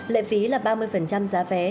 lệ phí là ba mươi giá vé